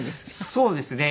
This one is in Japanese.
そうですね。